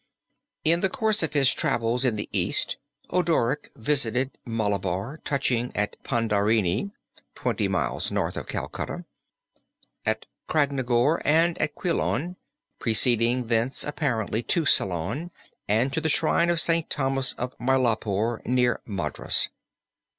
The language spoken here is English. In the course of his travels in the East Odoric visited Malabar touching at Pandarini (twenty miles north of Calicut), at Craganore and at Quilon, preceding thence, apparently, to Ceylon and to the Shrine of St. Thomas at Mailapur near Madras.